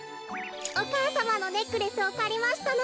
お母さまのネックレスをかりましたの。